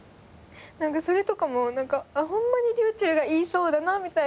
それとかもホンマにｒｙｕｃｈｅｌｌが言いそうだなみたいな。